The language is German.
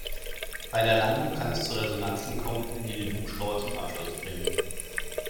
Bei der Landung kann es zu Resonanzen kommen, die den Hubschrauber zum Absturz bringen.